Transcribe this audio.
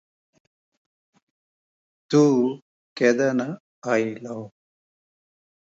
It is found throughout Europe.